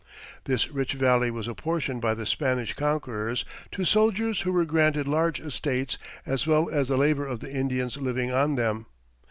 This rich valley was apportioned by the Spanish conquerors to soldiers who were granted large estates as well as the labor of the Indians living on them.